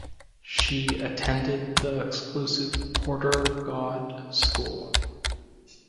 She attended the exclusive Porter-Gaud School.